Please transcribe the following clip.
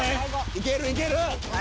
いけるいける。